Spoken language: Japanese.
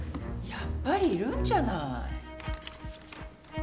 やっぱりいるんじゃない。